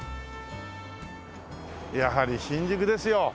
やはり新宿ですよ